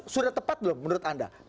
sudah tepat belum menurut anda